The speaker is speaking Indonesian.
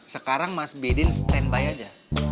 sekarang mas biden standby aja